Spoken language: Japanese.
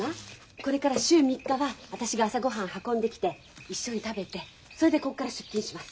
これから週３日は私が朝ごはん運んできて一緒に食べてそれでここから出勤します。